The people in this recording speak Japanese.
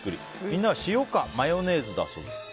みんなは塩かマヨネーズだそうです。